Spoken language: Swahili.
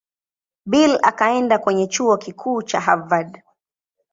Bill akaenda kwenye Chuo Kikuu cha Harvard.